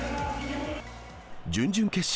準々決勝